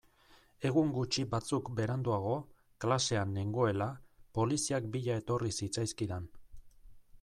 Egun gutxi batzuk beranduago, klasean nengoela, poliziak bila etorri zitzaizkidan.